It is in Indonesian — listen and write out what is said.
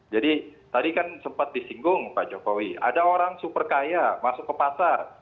jadi tadi kan sempat disinggung pak jokowi ada orang super kaya masuk ke pasar